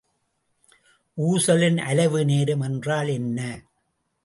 ஊசலின் அலைவு நேரம் என்றால் என்ன?